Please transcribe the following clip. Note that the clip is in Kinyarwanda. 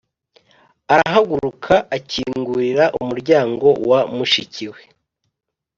arahaguruka , akingurira umuryango wa mushiki we